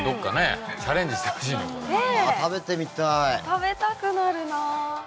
食べたくなるな。